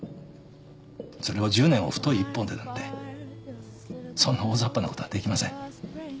それを１０年を太い１本でなんてそんな大ざっぱなことはできません。